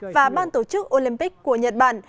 và ban tổ chức olympic của nhật bản